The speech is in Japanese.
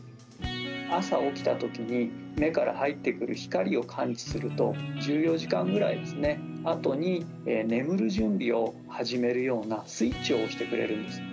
朝起きたときに、目から入ってくる光を感知すると、１４時間ぐらいあとに眠る準備を始めるようなスイッチを押してくれるんです。